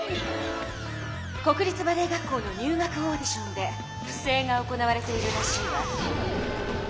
国立バレエ学校の入学オーディションで不正が行われているらしいわ。